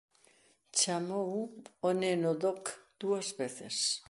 Chamou ó neno "Doc" dúas veces.